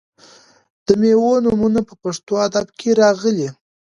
د میوو نومونه په پښتو ادب کې راغلي.